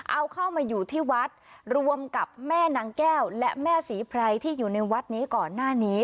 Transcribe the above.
เอาเข้ามาอยู่ที่วัดรวมกับแม่นางแก้วและแม่ศรีไพรที่อยู่ในวัดนี้ก่อนหน้านี้